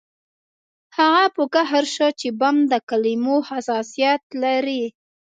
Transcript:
هغه په قهر شو چې بم د کلمو حساسیت لري